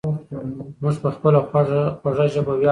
موږ په خپله خوږه ژبه ویاړو.